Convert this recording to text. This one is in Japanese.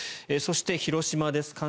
そして、広島です。